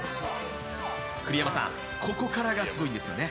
栗山さん、ここからがすごいんですよね。